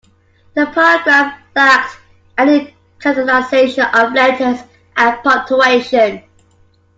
The paragraph lacked any capitalization of letters and punctuation.